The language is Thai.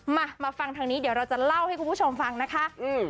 มามาฟังทางนี้เดี๋ยวเราจะเล่าให้คุณผู้ชมฟังนะคะอืม